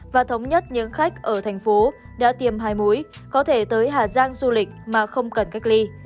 và thống nhất những khách ở tp hcm đã tìm hai mũi có thể tới hà giang du lịch mà không cần cách ly